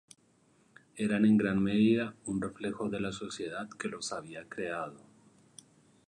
Eran en gran medida un reflejo de la sociedad que los había creado.